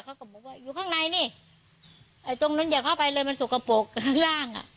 เขาก็บอกว่าอยู่ข้างในนี่ไอ้ตรงนู้นอย่าเข้าไปเลยมันสกปรกข้างล่างอ่ะ